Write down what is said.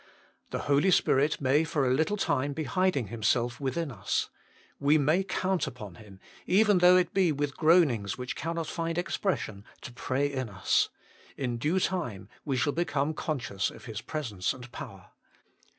The Holy Spirit may for a little time be hiding Himself within us ; we may count upon Him, even though it be with groanings which cannot find expression, to pray in us ; in due time we shall become conscious of His presence and power.